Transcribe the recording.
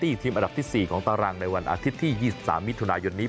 ทีมอันดับที่๔ของตารางในวันอาทิตย์ที่๒๓มิถุนายนนี้